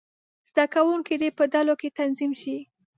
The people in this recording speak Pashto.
زده کوونکي دې په ډلو کې تنظیم شي.